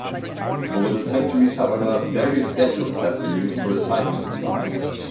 Over the centuries, however, various schedules have been used for reciting the psalms.